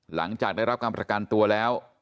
หลังจากได้รับการประกันตัวแล้ว